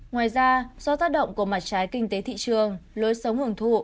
ngoài ra do tác động của mặt trái kinh tế thị trường lối sống hưởng thụ